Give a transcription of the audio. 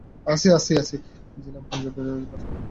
ঝিলাম পাঞ্জাবের প্রাচীনতম জেলাগুলির মধ্যে একটি।